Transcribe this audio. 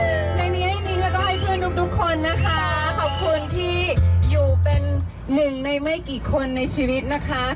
ขอบคุณค่ะขอบคุณที่อยู่เป็นหนึ่งในไม่กี่คนในชีวิตนะคะ